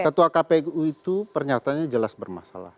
ketua kpu itu pernyatanya jelas bermasalah